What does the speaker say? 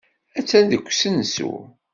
Attan deg usensu.